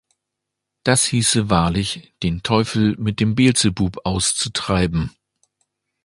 Das hieße wahrlich, den Teufel mit dem Beelzebub auszutreiben!